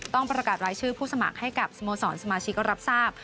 ต้องประกาศรายชื่อผู้สมัครให้กับสโมสรสมาชิกก็รับทราบ